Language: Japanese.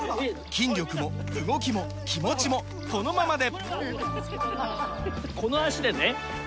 筋力も動きも気持ちもこのままで！